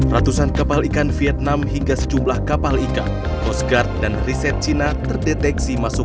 ratusan kapal ikan vietnam hingga sejumlah kapal ikan coast guard dan riset cina terdeteksi masuk